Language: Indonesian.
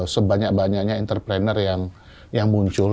sebanyak banyaknya entrepreneur yang muncul